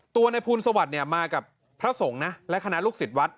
ตัวในภูลสวัสดิ์เนี่ยมากับพระสงฆ์นะและคณะลูกศิษย์วัด